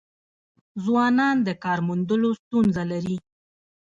ځوانان د کار موندلو ستونزه لري.